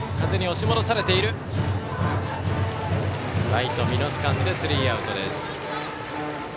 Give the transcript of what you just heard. ライト、美濃つかんでスリーアウト。